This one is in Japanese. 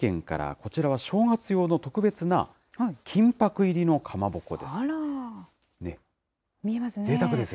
こちらは正月用の特別な金ぱく入りのかまぼこです。